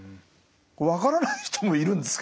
分からない人もいるんですか？